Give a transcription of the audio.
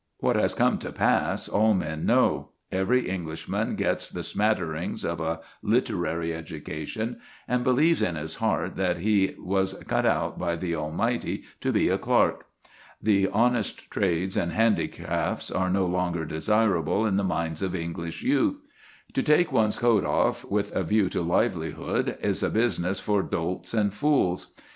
What has come to pass all men know. Every Englishman gets the smatterings of a literary education, and believes in his heart that he was cut out by the Almighty to be a clerk. The honest trades and handicrafts are no longer desirable in the minds of English youth. To take one's coat off with a view to livelihood is a business for dolts and fools.